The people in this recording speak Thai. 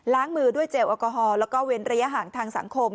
มือด้วยเจลแอลกอฮอลแล้วก็เว้นระยะห่างทางสังคม